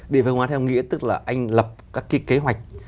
địa phương hóa theo nghĩa tức là anh lập các cái kế hoạch